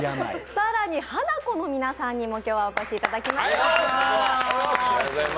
更にハナコの皆さんにも今日はお越しいただきました。